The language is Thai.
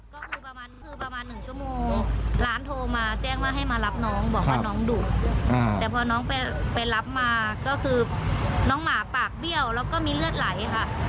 เขาไม่รับผิดชอบทางร้านไม่รับผิดชอบเพราะว่าทางร้านแจ้งไว้แล้วว่าไม่รับหมาดุ